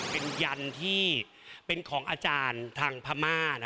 เป็นยันที่เป็นของอาจารย์ทางพม่า